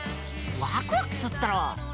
ワクワクすっだろ？